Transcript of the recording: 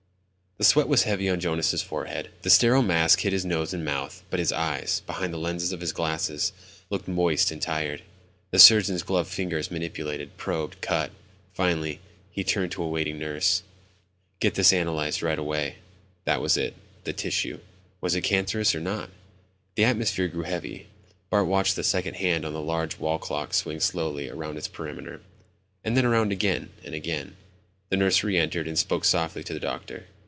The sweat was heavy on Jonas' forehead. The sterile mask hid his nose and mouth, but his eyes, behind the lenses of his glasses, looked moist and tired. The surgeon's gloved fingers manipulated, probed, cut. Finally, he turned to a waiting nurse. "Get this analyzed right away." That was it, the tissue ... was it cancerous or not? The atmosphere grew heavy. Bart watched the second hand on the large wall clock swing slowly around its perimeter, and then around again and again. The nurse reentered and spoke softly to the doctor.